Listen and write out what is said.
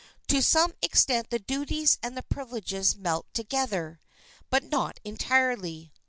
To some extent the duties and the privileges melt together, but not entirely.